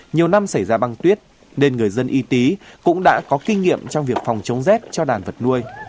nhiều năm xảy ra băng tuyết nên người dân y tý cũng đã có kinh nghiệm trong việc phòng chống rét cho đàn vật nuôi